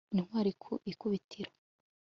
intwari ku ikubitiro